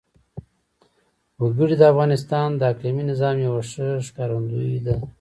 وګړي د افغانستان د اقلیمي نظام یوه ښه ښکارندوی ده.